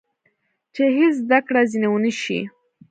چې هېڅ زده کړه ځینې ونه شي.